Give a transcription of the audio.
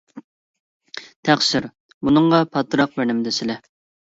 تەقسىر، بۇنىڭغا پاتراق بىرنېمە دېسىلە.